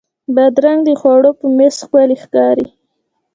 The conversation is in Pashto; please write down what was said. بادرنګ د خوړو په میز ښکلی ښکاري.